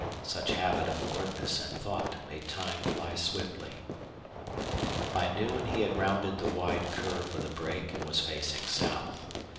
Such habit of alertness and thought made time fly swiftly. By noon he had rounded the wide curve of the brake and was facing south.